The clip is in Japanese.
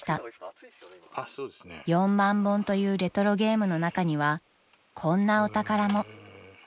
［４万本というレトロゲームの中にはこんなお宝も］